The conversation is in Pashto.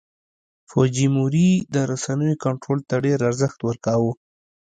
فوجیموري د رسنیو کنټرول ته ډېر ارزښت ورکاوه.